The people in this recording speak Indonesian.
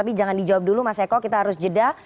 tapi jangan dijawab dulu mas eko kita harus jeda